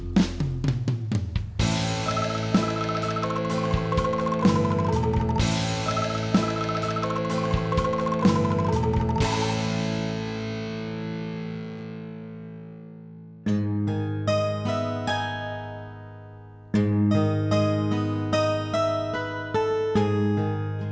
sari kata dari sdi media